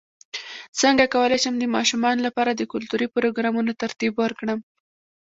څنګه کولی شم د ماشومانو لپاره د کلتوري پروګرامونو ترتیب ورکړم